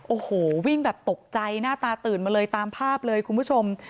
โอ้โหวิ่งแบบตกใจหน้าตาตื่นมาเลยตามภาพเลยคุณผู้ชม